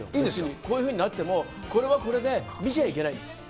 こういうふうになっても、これはこれで、見ちゃいけないですよ。